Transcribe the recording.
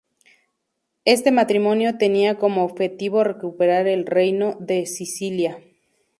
Este matrimonio tenía como objetivo recuperar el Reino de Sicilia.